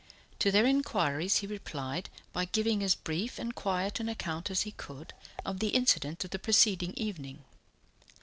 To their inquiries he replied by giving as brief and quiet an account as he could of the incident of the preceding evening.